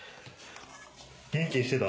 元気にしてた？